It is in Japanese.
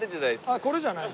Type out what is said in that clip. あっこれじゃない？